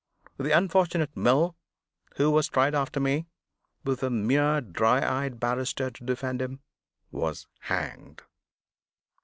The unfortunate Mill, who was tried after me, with a mere dry eyed barrister to defend him, was hanged.